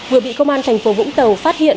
vừa bị công an tp vũng tàu phát hiện